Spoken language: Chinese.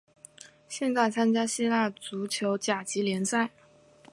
现在参加希腊足球甲级联赛。